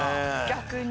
逆に。